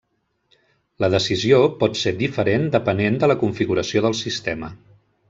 La decisió pot ser diferent depenent de la configuració del sistema.